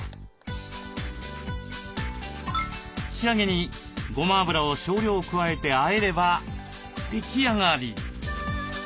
仕上げにごま油を少量加えてあえれば出来上がり。